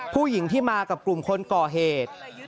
ผู้หญิงที่มากับกลุ่มคนก่อเหตุ